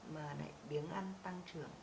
mà lại biếng ăn tăng trưởng